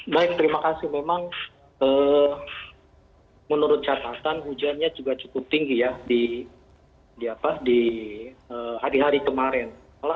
baik terima kasih memang menurut catatan hujannya juga cukup tinggi ya di hari hari kemarin